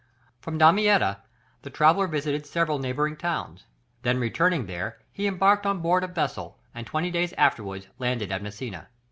From Damietta, the traveller visited several neighbouring towns, then returning there he embarked on board a vessel and twenty days afterwards landed at Messina.